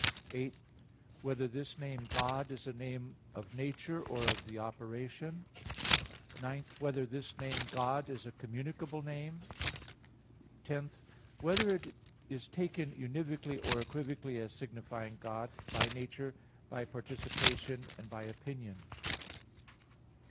(8) Whether this name "God" is a name of nature, or of the operation? (9) Whether this name "God" is a communicable name? (10) Whether it is taken univocally or equivocally as signifying God, by nature, by participation, and by opinion?